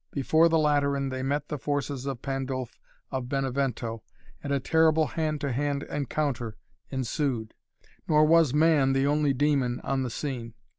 Before the Lateran they met the forces of Pandulph of Benevento, and a terrible hand to hand encounter ensued. Nor was man the only demon on the scene.